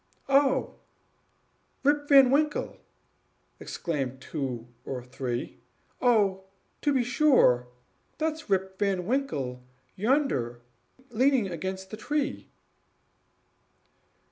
"Oh, Rip Van Winkle!" exclaimed two or three. "Oh, to be sure! that's Rip Van Winkle yonder, leaning against the tree."